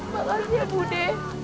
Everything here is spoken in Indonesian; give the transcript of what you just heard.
makasih ya budhe